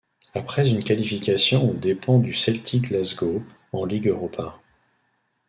Après une qualification aux dépens du Celtic Glasgow en Ligue Europa.